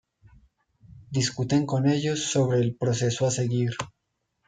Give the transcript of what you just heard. Discuten con ellos sobre el proceso a seguir.